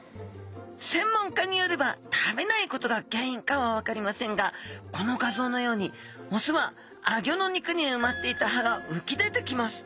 専門家によれば食べないことが原因かは分かりませんがこの画像のようにオスはアギョの肉に埋まっていた歯がうき出てきます。